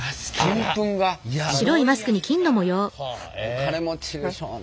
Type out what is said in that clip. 金持ちでしょうね。